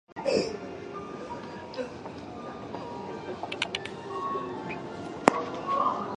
He has also performed at the Chautauqua Music Festival and the Aspen Music Festival.